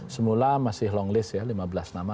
semula masih long list ya lima belas nama